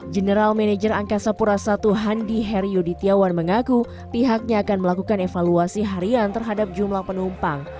general manager angkasa pura i handi heriudityawan mengaku pihaknya akan melakukan evaluasi harian terhadap jumlah penumpang